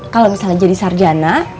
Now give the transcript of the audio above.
kalau misalnya jadi sarjana